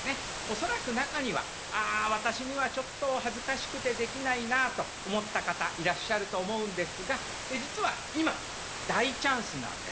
恐らく中にはああ私にはちょっと恥ずかしくてできないなあと思った方いらっしゃると思うんですが実は今大チャンスなんです。